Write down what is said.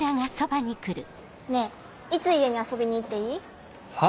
ねぇいつ家に遊びに行っていい？は？